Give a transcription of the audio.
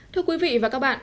thưa quý vị và các bạn